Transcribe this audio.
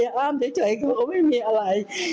แต่อ้ามใจเขาก็ไม่มีอะไร